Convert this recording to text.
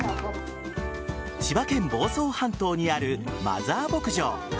千葉県房総半島にあるマザー牧場。